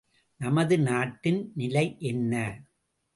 நமது நாட்டின் நிலை என்ன?